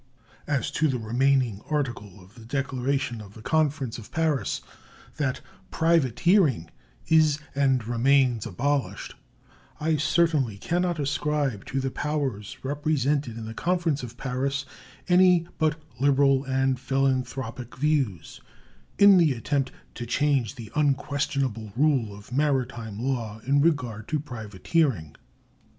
As to the remaining article of the declaration of the conference of Paris, that "privateering is and remains abolished," I certainly can not ascribe to the powers represented in the conference of Paris any but liberal and philanthropic views in the attempt to change the unquestionable rule of maritime law in regard to privateering.